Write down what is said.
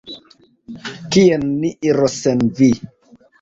Kien ni iros sen vi?